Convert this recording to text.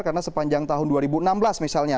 karena sepanjang tahun dua ribu enam belas misalnya